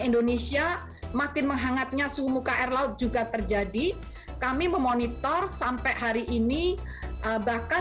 indonesia makin menghangatnya suhu muka air laut juga terjadi kami memonitor sampai hari ini bahkan